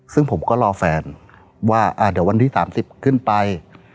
ซึ่งผมก็รอแฟนว่าเดี๋ยววันที่๓๐ขึ้นไป